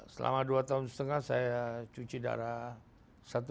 selama dua tahun setengah saya cuci darah satu